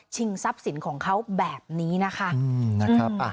ทรัพย์สินของเขาแบบนี้นะคะ